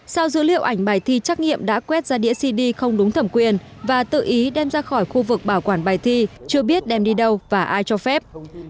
sao dữ liệu ảnh bài thi trắc nghiệm đã quét ra đĩa cd không đúng thẩm quyền và tự ý đem ra khỏi khu vực bảo quản bài thi chưa biết đem đi đâu và ai cho phép